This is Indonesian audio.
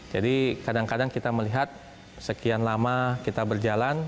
jadi kadang kadang kita melihat sekian lama kita berjalan